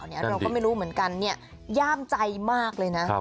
เราก็ไม่รู้เหมือนกันย่ามใจมากเลยนะ